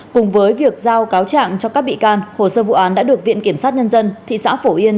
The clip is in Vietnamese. cùng với việc giao cáo trạng cho các bị can hồ sơ vụ án đã được viện kiểm sát nhân dân thị xã phổ yên